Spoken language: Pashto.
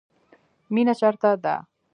مینه چیرته ده؟